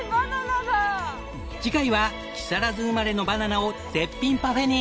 次回は木更津生まれのバナナを絶品パフェに！